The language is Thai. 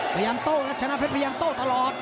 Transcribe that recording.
พยายามโตเป็นชนพยายามโตแยกว่าอยู่ตลอด